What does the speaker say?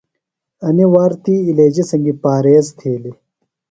انیۡ وار تی علیجیۡ سنگیۡ پاریز تِھیلیۡ۔